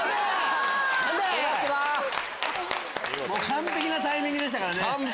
完璧なタイミングでしたからね。